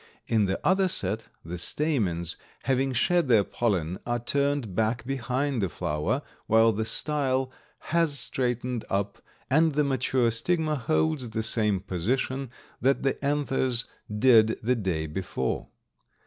In the other set the stamens, having shed their pollen, are turned back behind the flower, while the style has straightened up, and the mature stigma holds the same position that the anthers did the day before.